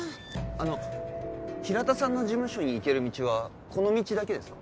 あの平田さんの事務所に行ける道はこの道だけですか？